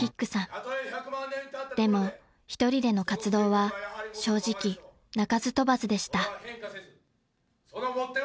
［でも１人での活動は正直鳴かず飛ばずでした］